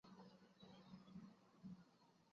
观测站还有其它用途。